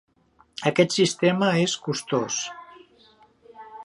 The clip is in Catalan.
Aquest sistema és costós.